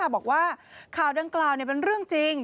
บอกว่าข่าวดังกล่าวเป็นเรื่องจริง